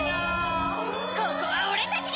ここはおれたちが！